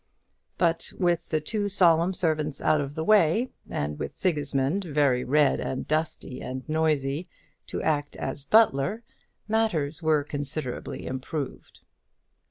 But with the two solemn servants out of the way, and with Sigismund, very red and dusty and noisy, to act as butler, matters were considerably improved.